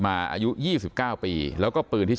ท่านดูเหตุการณ์ก่อนนะครับ